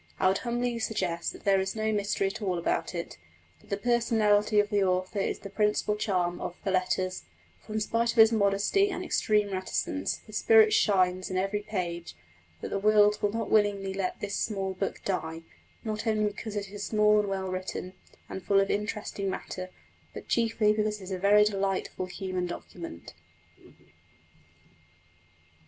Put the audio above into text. I would humbly suggest that there is no mystery at all about it; that the personality of the author is the principal charm of the Letters, for in spite of his modesty and extreme reticence his spirit shines in every page; that the world will not willingly let this small book die, not only because it is small, and well written, and full of interesting matter, but chiefly because it is a very delightful human document.